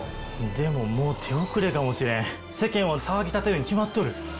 でももう手遅れかもしれん世間は騒ぎ立てるに決まっとる。